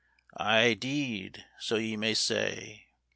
Aye, deed, so ye may say